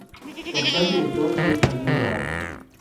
Su actual Director es Javier Dorado.